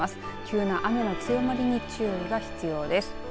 急な雨の強まりに注意が必要です。